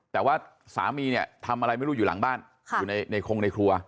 แต่ว่าสามีเนี่ยทำอะไรไม่รู้อยู่หลังบ้านอยู่ในคงในครัว